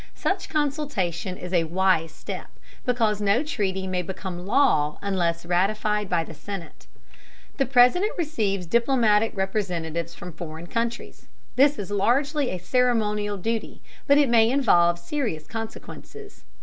Such consultation is a wise step, because no treaty may become law unless ratified by the Senate. The President receives diplomatic representatives from foreign countries. This is largely a ceremonial duty, but it may involve serious consequences.